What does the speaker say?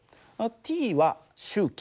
Ｔは周期